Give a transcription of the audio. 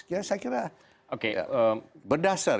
ya saya kira berdasar